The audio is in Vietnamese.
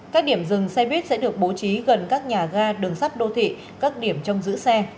các điểm dừng xe buýt sẽ được bố trí gần các nhà ga đường sắt đô thị các điểm trong giữ xe